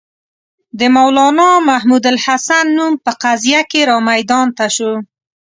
د مولنا محمودالحسن نوم په قضیه کې را میدان ته شو.